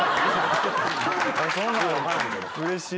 うれしい。